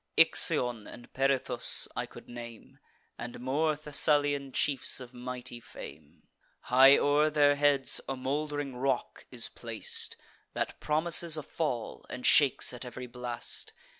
Ixion and Perithous I could name, And more Thessalian chiefs of mighty fame. High o'er their heads a mould'ring rock is plac'd, That promises a fall, and shakes at ev'ry blast.